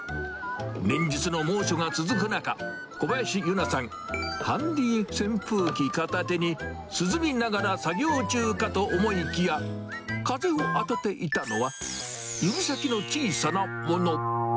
連日の猛暑が続く中、小林結菜さん、ハンディー扇風機片手に、涼みながら作業中かと思いきや、風を当てていたのは、指先の小さなもの。